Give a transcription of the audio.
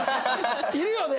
いるよね。